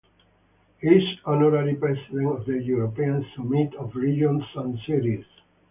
He is Honorary President of the European Summit of Regions and Cities.